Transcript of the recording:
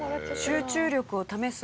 集中力を試す